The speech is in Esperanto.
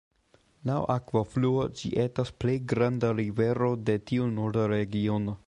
Laŭ akvofluo, ĝi etas plej granda rivero de tiu Norda regiono.